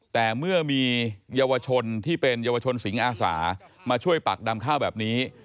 แต่เมื่อมีเยาวชนที่เป็นเยาวชนสิงอาสามาช่วยปักดำข้าวแบบนี้